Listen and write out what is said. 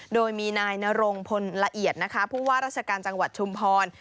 โดยมีนายนรงพลละเอียดนะคะผู้ว่าราชการจังหวัดชุมพร